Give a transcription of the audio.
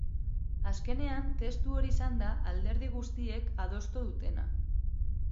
Azkenean testu hori izan da alderdi guztiek adostu dutena.